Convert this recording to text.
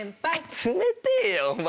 冷てえよお前。